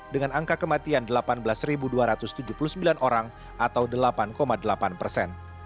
dengan angka kematian delapan belas dua ratus tujuh puluh sembilan orang atau delapan delapan persen